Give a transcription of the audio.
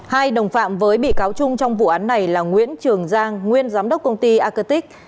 hai đồng phạm với bị cáo trung trong vụ án này là nguyễn trường giang nguyên giám đốc công ty acatic